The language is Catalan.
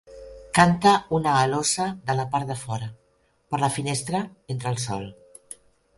Canta una alosa de la part de fora, per la finestra entra el sol.